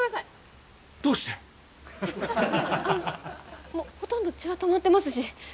いやあのもうほとんど血は止まってますし。